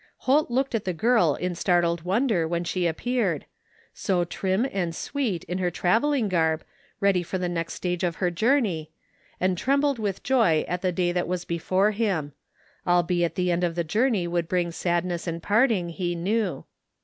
Holt looked at the girl in startled wonder when she appeared, so trig and sweet in her travelling garb, ready for the next stage of her journey, and tremibled with joy at the day that was before him; albeit the end of the journey would bring sadness and parting, he knew.